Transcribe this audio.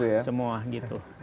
ya semua gitu